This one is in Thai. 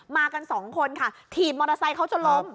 กันสองคนค่ะถีบมอเตอร์ไซค์เขาจนล้ม